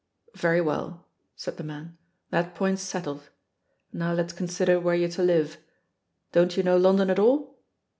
"Very well," said the man, "that point's set tled. Now let's consider where you're to livel Don't you know London at all?"